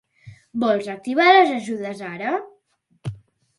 Vol activar les ajudes ara?